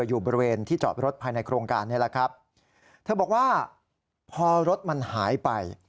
อยู่บริเวณที่จอดรถภายในโครงการนี่แหละครับเธอบอกว่าพอรถมันหายไป